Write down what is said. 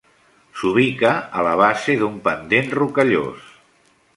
S'ubica a la base d'un pendent rocallós.